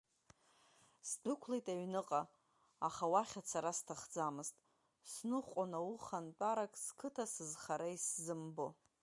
Сдәықәлеит аҩныҟа, аха уахь ацара сҭахӡамызт, сныҟәон аухантәарак, сқыҭа сызхара исзымбо.